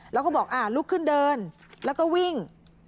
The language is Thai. แล้วก็บอกลุกขึ้นเดินแล้วก็วิ่ง